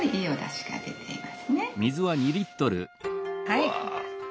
はい。